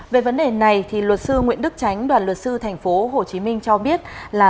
về vấn đề này thì luật sư nguyễn đức tránh đoàn luật sư thành phố hồ chí minh cho biết là